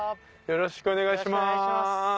よろしくお願いします。